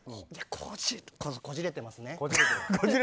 こじれてますね。